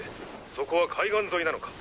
そこは海岸沿いなのか？